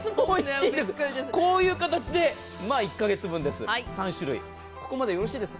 こういう形で、１か月３種類です。